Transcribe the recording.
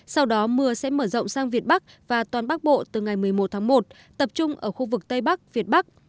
sau đó mưa sẽ mở rộng sang việt bắc và toàn bắc bộ từ ngày một mươi một tháng một tập trung ở khu vực tây bắc việt bắc